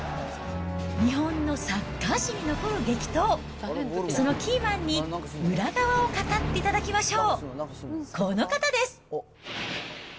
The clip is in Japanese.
日本のサッカー史に残る激闘、そのキーマンに裏側を語っていただきましょう。